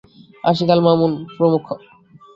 আশিক আল মামুন প্রমুখ।